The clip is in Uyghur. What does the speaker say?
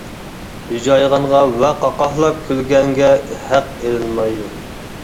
ھىجايغانغا ۋە قاقاھلاپ كۈلگەنگە ھەق ئېلىنمايدۇ.